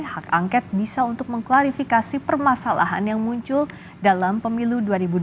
hak angket bisa untuk mengklarifikasi permasalahan yang muncul dalam pemilu dua ribu dua puluh